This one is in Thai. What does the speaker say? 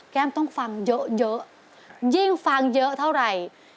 ต้องฟังเยอะยิ่งฟังเยอะเท่าไหร่